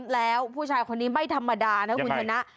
แล้วผู้ชายคนนี้ไม่ธรรมดานะคุณชนะ